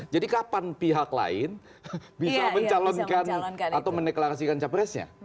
jadi kapan pihak lain bisa mencalonkan atau mendeklarasikan cawapresnya